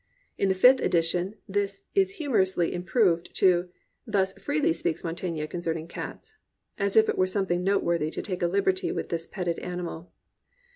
In the fifth edition this is humourously im proved to, "Thus/reeZi/ speaks Mountaigne concern ing cats," — as if it were something noteworthy to take a liberty with this petted animal.